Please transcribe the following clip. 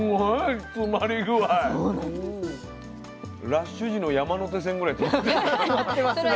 ラッシュ時の山手線ぐらいきますね。